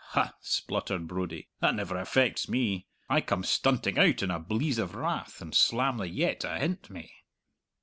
"Huh!" spluttered Brodie, "that never affects me. I come stunting out in a bleeze of wrath and slam the yett ahint me!"